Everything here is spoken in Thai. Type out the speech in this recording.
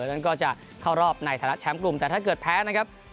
นั้นก็จะเข้ารอบในฐานะแชมป์กลุ่มแต่ถ้าเกิดแพ้นะครับ